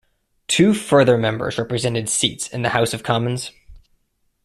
Two further members represented seats in the House of Commons.